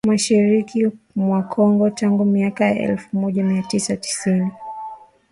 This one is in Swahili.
mashariki mwa Kongo tangu miaka ya elfu moja mia tisa tisini